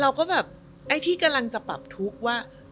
เราก็แบบไอ้ที่กำลังจะปรับทุกข์ว่า